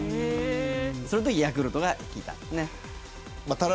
そのとき、ヤクルトが引いたんですね。